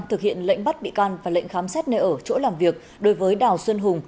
thực hiện lệnh bắt bị can và lệnh khám xét nơi ở chỗ làm việc đối với đào xuân hùng